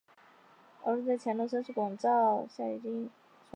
而后在乾隆四十三年在士绅王拱照主导下又再次重修。